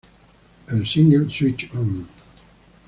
El single Switch On!